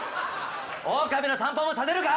オオカミの散歩もさせるか？